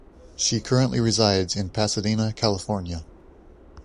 She currently resides in Pasadena, California.